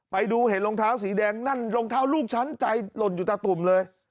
ไปดูเห็นรองเท้าสีแดงนั่นรองเท้าลูกฉันใจหล่นอยู่ตาตุ่มเลย